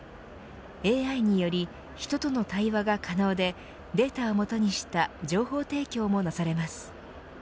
ＡＩにより人との対話が可能でデータを基にした情報提供もなされます。